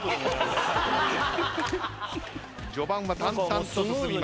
序盤は淡々と進みます。